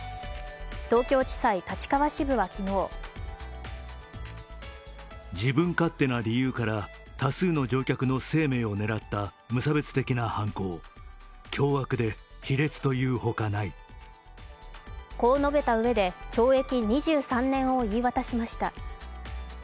東京地裁・立川支部は昨日こう述べたうえで懲役２３年を言い渡しました。